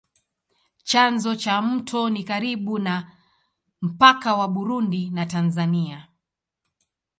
Chanzo cha mto ni karibu na mpaka wa Burundi na Tanzania.